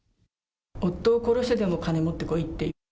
夫を殺してでも金持ってこいっていう。